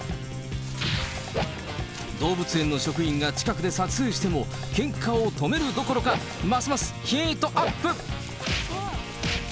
動物園の職員が近くで撮影しても、けんかを止めるどころか、ますますヒートアップ。